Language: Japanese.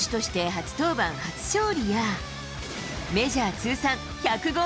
初登板、初勝利や、メジャー通算１００号